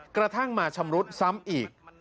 กระทั่งมาชำรุดซ้ำอีก